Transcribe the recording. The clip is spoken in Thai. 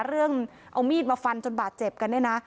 เรื่องเอามีดมาฟันจนบาดเจ็บกันเนี่ยนะ